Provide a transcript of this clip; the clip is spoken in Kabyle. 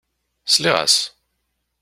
Sliɣ-as.